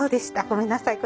ごめんなさい。